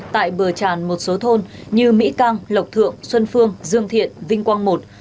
tại bờ tràn một số thôn như mỹ căng lộc thượng xuân phương dương thiện vinh quang i